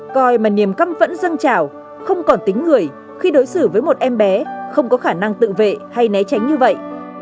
coi mà niềm căm vẫn dâng trào không còn tính người khi đối xử với một em bé không có khả năng tự vệ hay né tránh như vậy